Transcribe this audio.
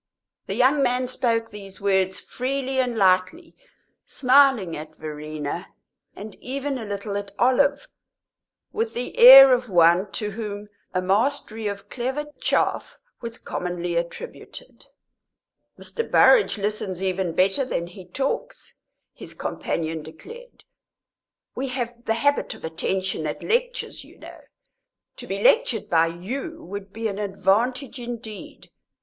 The young man spoke these words freely and lightly, smiling at Verena, and even a little at Olive, with the air of one to whom a mastery of clever "chaff" was commonly attributed. "Mr. Burrage listens even better than he talks," his companion declared. "We have the habit of attention at lectures, you know. To be lectured by you would be an advantage indeed.